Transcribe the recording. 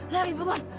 lari bu wan